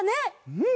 うん！